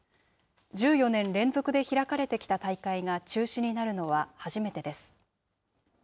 １４年連続で開かれてきた大会が中止になるのは初めてです。